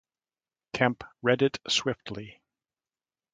Kemp read it swiftly.